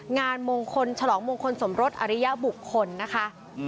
งานมงคลฉลองมงคลสมรสอริยบุคคลนะคะ